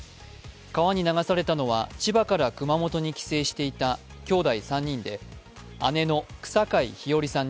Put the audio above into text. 川に流されたのは千葉から熊本に帰省していたきょうだい３人で姉の草皆陽愛さん